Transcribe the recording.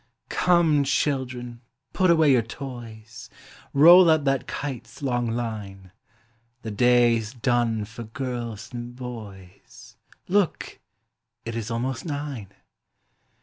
"Come, children, put away your toys; Roll up that kite's long line; The day is done for girls and boys Look, it is almost nine!